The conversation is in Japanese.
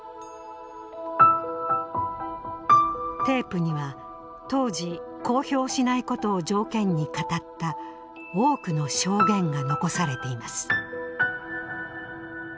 テープには当時公表しないことを条件に語った多くの証言が遺されています。